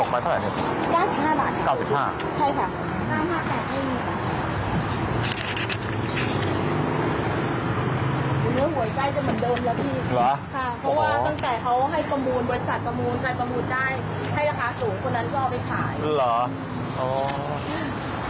เพราะว่าตั้งแต่เขาให้ประมูลบรรจาตรประมูลได้ราคาสูงคนนั้นก็ให้ไปขาย